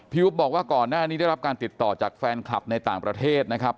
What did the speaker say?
อุ๊บบอกว่าก่อนหน้านี้ได้รับการติดต่อจากแฟนคลับในต่างประเทศนะครับ